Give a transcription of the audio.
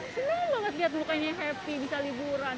senang banget lihat mukanya happy bisa liburan